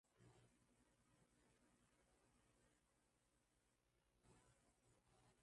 hadi laki tatu walipoteza maisha katika vita hiyo